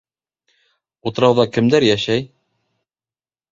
Утрауҙа кемдәр йәшәй?